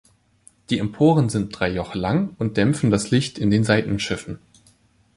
Die Emporen sind drei Joche lang und dämpfen das Licht in den Seitenschiffen.